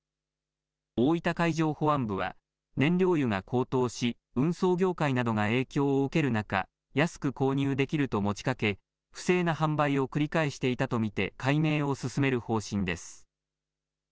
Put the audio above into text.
大分海上保安部は、燃料油が高騰し、運送業界などが影響を受ける中、安く購入できると持ちかけ、不正な販売を繰り返していたと見て、解明を進める方針です。